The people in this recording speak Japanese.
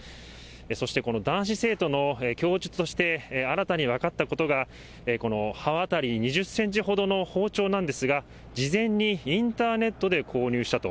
そしてこの男子生徒の供述として新たに分かったことが、刃渡り２０センチほどの包丁なんですが、事前にインターネットで購入したと。